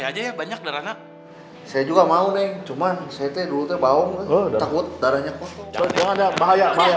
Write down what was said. tapi emang kamu mau jualin darah buat abah